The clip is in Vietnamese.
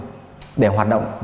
chỉ đến khi người đó rút đi